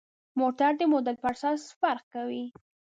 موټر د موډل پر اساس فرق کوي.